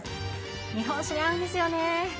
日本酒に合うんですよね。